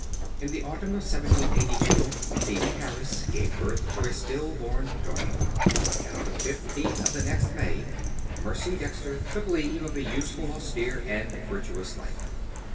In the autumn of 1782 Phebe Harris gave birth to a still born daughter, and on the fifteenth of the next May Mercy Dexter took leave of a useful, austere, and virtuous life.